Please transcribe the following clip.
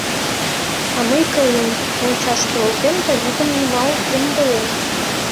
— А мый каем, мончашке олтем да вӱдым нумал ямдылем.